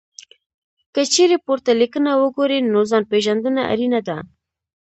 که چېرې پورته لیکنه وګورئ، نو ځان پېژندنه اړینه ده.